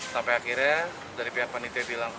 sampai akhirnya dari pihak panitia bilang